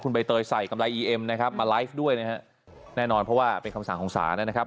ใบเตยใส่กำไรอีเอ็มนะครับมาไลฟ์ด้วยนะฮะแน่นอนเพราะว่าเป็นคำสั่งของศาลนะครับ